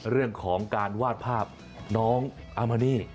เรื่องของการวาดภาพน้องอามานี่